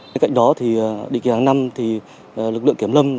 bên cạnh đó định kỳ tháng năm lực lượng kiểm lâm